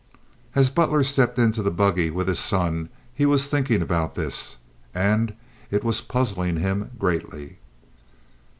As Butler stepped into the buggy with his son he was thinking about this, and it was puzzling him greatly.